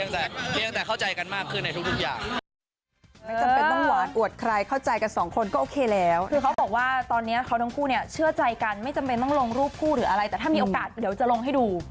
ใช่แต่เข้าใจกันมากขึ้นในทุกอย่าง